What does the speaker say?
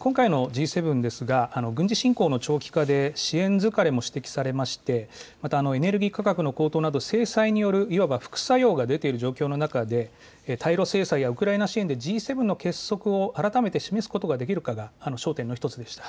今回のＧ７ですが軍事侵攻の長期化で支援疲れも指摘されましてまたエネルギー価格の高騰など制裁によるいわば副作用が出ている状況の中対ロ制裁やウクライナ支援でＧ７の結束を改めて示すことができるかが焦点の１つでした。